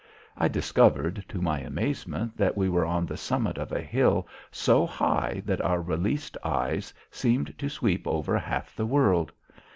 I discovered to my amazement that we were on the summit of a hill so high that our released eyes seemed to sweep over half the world.